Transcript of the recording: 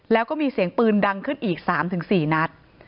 แล้วก็มีเสียงปืนดังขึ้นอีก๓๔นัด